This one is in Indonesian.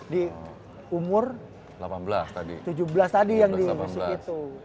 di umur tujuh belas tadi yang di musik itu